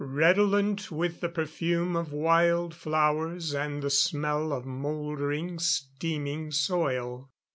Redolent with the perfume of wild flowers and the smell of mouldering, steaming soil.